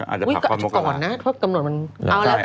อาจจะปล่าพอร์ธมกระหลาด